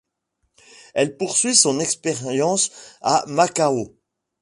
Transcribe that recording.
Elle poursuit son expérience à Macao.